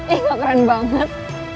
eh gak keren banget